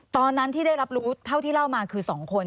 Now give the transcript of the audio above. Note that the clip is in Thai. ตอนนั้นที่ได้รับรู้เท่าที่เล่ามาคือ๒คน